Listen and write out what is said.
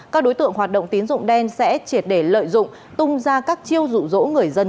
các đối tượng hoạt động tín dụng đen sẽ triệt để lợi dụng tung ra các chiêu dụ dỗ người dân